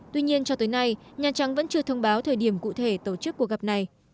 tuy nhiên cho tới nay nhà trắng vẫn chưa thông báo thời điểm cụ thể tổ chức cuộc gặp này